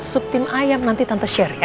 sup tim ayam nanti tante share ya